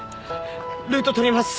ルート取ります。